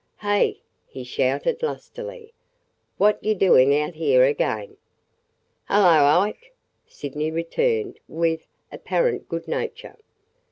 "Hey!" he shouted lustily. "What ye doing out here again?" "Hullo, Ike!" Sydney returned with apparent good nature.